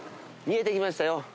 見えてきましたよ。